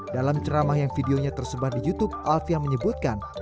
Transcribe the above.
dalam ceramah yang videonya tersebar di youtube alfian menyebutkan